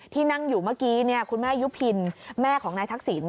ที่นั่งอยู่เมื่อกี้คุณแม่ยุพินแม่ของนายทักษิณ